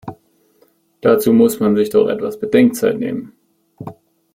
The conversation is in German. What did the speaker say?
Dazu muss man sich doch etwas Bedenkzeit nehmen!